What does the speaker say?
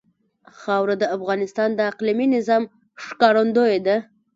خاوره د افغانستان د اقلیمي نظام ښکارندوی ده.